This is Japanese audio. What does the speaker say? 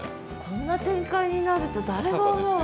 こんな展開になると誰が思う？